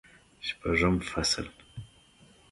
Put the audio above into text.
شپږم فصل